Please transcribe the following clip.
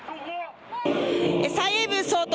蔡英文総統